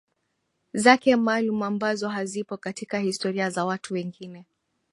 zake maalum ambazo hazipo katika historia za watu wengine